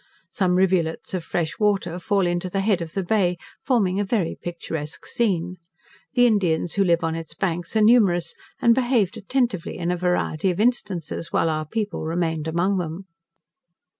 Some rivulets of fresh water fall into the head of the Bay, forming a very picturesque scene. The Indians who live on its banks are numerous, and behaved attentively in a variety of instances while our people remained among them.